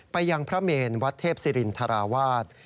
ไปยังพระเมนวัดเทพศิรินทราวาส